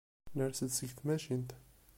Ners-d seg tmacint.